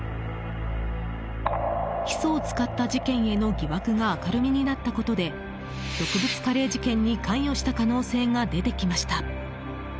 ヒ素を使った事件への疑惑が明るみになったことで毒物カレー事件に関与した可能性が出てきました。